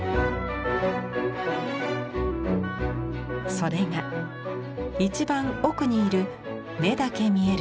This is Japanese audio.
それが一番奥にいる目だけ見える人物です。